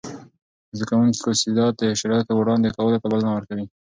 زده کوونکي کوسيدات د شرایطو وړاندې کولو ته بلنه ورکوي.